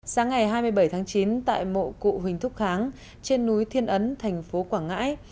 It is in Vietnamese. sáng ngày hai mươi bảy tháng chín tại mộ cụ huỳnh thúc kháng trên núi thiên ấn thành phố quảng ngãi